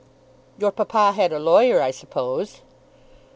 "Your papa had a lawyer, I suppose?"